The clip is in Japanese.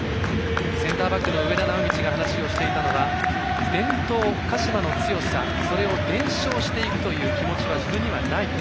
センターバックの植田直通が話をしていたのは伝統、鹿島の強さそれを伝承していく気持ちは自分にはないと。